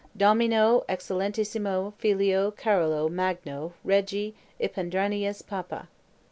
(Domino excellentissimo filio Carolo Magno regi Ipadrianus papa).